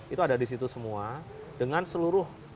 itu ada di situ semua dengan seluruh